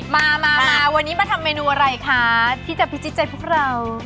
มามาวันนี้มาทำเมนูอะไรคะที่จะพิจิตใจพวกเรา